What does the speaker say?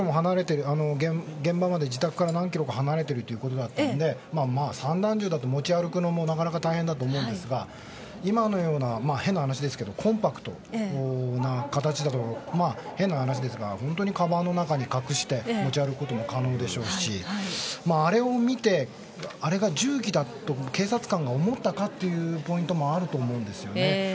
現場は自宅から何ｋｍか離れているということだったので散弾銃だと持ち歩くのもなかなか大変だと思うんですが今のような、変な話ですがコンパクトな形ですと本当にかばんの中に隠して持ち歩くことも可能でしょうしあれを見てあれが銃器だと警察官が思ったかというポイントもあると思うんですけどもね。